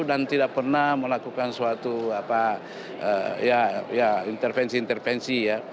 dan tidak pernah melakukan suatu intervensi intervensi ya